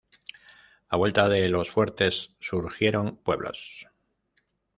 A vuelta de los fuertes surgieron pueblos.